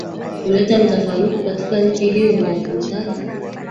kuleta mtafaruku katika nchi hiyo ya kumtaka